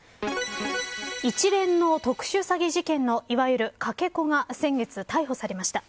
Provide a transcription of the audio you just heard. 一連の特殊詐欺事件のいわゆる、かけ子が先月、逮捕されました。